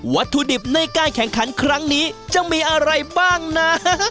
วัตถุดิบในการแข่งขันครั้งนี้จะมีอะไรบ้างนะ